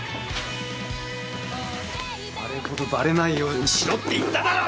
あれほどバレないようにしろって言っただろ！